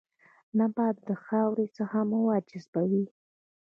نبات د خاورې څخه مواد جذبوي